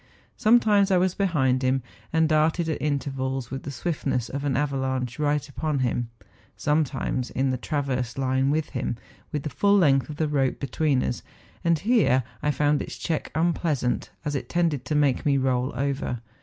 Sometimes I was behind him, and darted at intervals with the swiftness of an avalanche right upon him, sometimes in the transverse line with him, with the full length of the rope between us; and here I found its check unpleasant, as it tended to make me roll over.